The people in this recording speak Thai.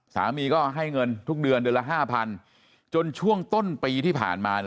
สามีก็ให้เงินทุกเดือนเดือนละ๕๐๐๐จนช่วงต้นปีที่ผ่านมา